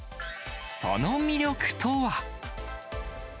その魅力とは。